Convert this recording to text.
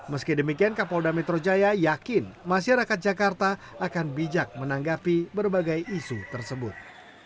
meski demikian kapolda metro jaya yakin masyarakat jakarta akan bijak menanggapi berbagai isu tersebut